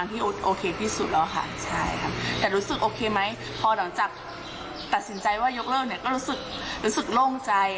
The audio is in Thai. ใช่ครับแต่รู้สึกโอเคไหมพอหลังจากตัดสินใจว่ายกเลิกก็รู้สึกโล่งใจ